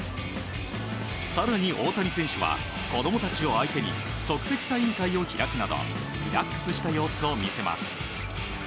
更に大谷選手は子供たちを相手に即席サイン会を開くなどリラックスした様子を見せます。